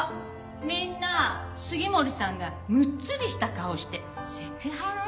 みんな杉森さんがむっつりした顔してセクハラよ。